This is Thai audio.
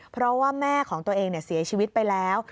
เพราะว่าแม่ของตัวเองเสียชีวิตไปแล้ว